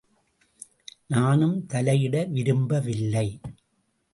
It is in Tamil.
நானும் தலையிட விரும்பவில்லை.